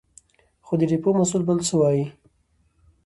خو د ډېپو مسوول بل څه وايې.